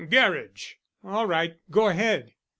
"Gerridge." "All right, go ahead."